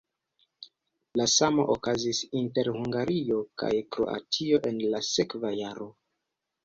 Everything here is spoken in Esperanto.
La samo okazis inter Hungario kaj Kroatio en la sekva jaro.